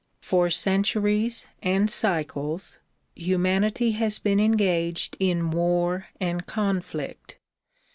For centuries and cycles humanity has been engaged in war and conflict.